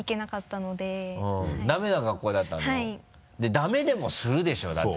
ダメでもするでしょ！だって。